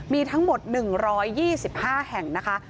มีทั้งหมด๑๒๕แห่งนะคะ